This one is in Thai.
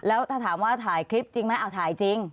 แล้วถ้าถามว่าถ่ายคลิปจริงไหมเอาถ่ายจริง